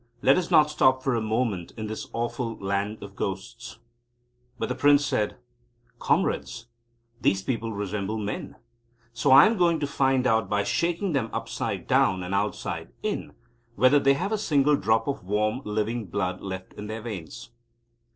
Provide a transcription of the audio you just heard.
Let us not stop for a moment in this awful land of ghosts." But the Prince said: "Comrades, these people resemble men, so I am going to find out, by shaking them upside down and outside in, whether they have a single drop of warm living blood left in their veins."